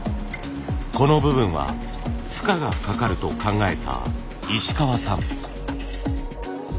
この部分は負荷がかかると考えた石川さん。